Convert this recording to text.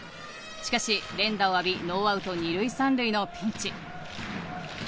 しかし連打を浴びノーアウト二塁・三塁のピンチ。